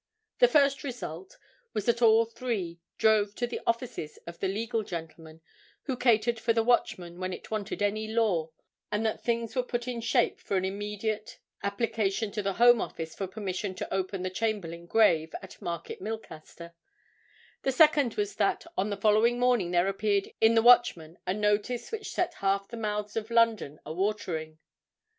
The first result was that all three drove to the offices of the legal gentleman who catered for the Watchman when it wanted any law, and that things were put in shape for an immediate application to the Home Office for permission to open the Chamberlayne grave at Market Milcaster; the second was that on the following morning there appeared in the Watchman a notice which set half the mouths of London a watering.